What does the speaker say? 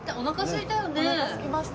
おなかすきました。